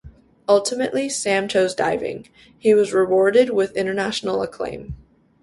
Ultimately, Sam chose diving; he was rewarded with international acclaim.